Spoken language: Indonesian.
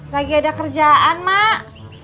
lagi ada kerjaan mak